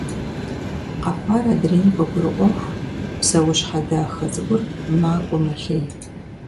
Къэхъуар адрейм къыгурыIуэху, псэущхьэ дахэ цIыкIур макIуэ-мэлъей.